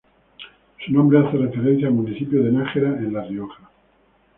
Su nombre hace referencia al municipio de Nájera en La Rioja.